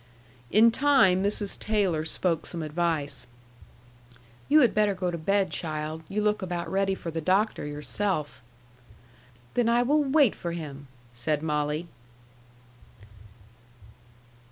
In time Mrs. Taylor spoke some advice. "You had better go to bed, child. You look about ready for the doctor yourself." "Then I will wait for him," said Molly.